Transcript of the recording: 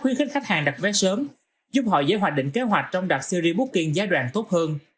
khuyến khích khách hàng đặt vé sớm giúp họ giải hoạt định kế hoạch trong đặt series booking giai đoạn tốt hơn